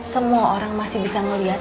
semua orang masih bisa melihat